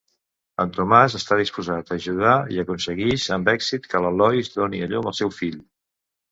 En Tomàs està disposat a ajudar i aconseguix amb èxit que la Lois doni a llum al seu fill.